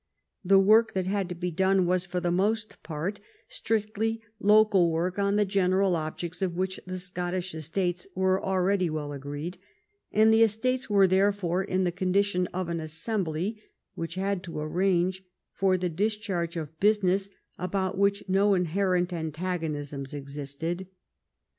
The work that had to be done was, for the most part, strictly local work on the general objects of which the Scottish Estates were already well agreed, and the Estates were therefore in the condition of an assembly which had to arrange for the discharge of business about which no inherent antagonisms existed.